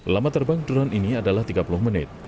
lama terbang drone ini adalah tiga puluh menit